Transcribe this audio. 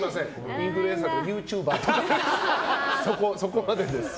インフルエンサーとかユーチューバーとかそこまでです。